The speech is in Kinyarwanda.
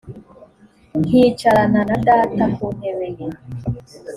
nkicarana na data ku ntebe ye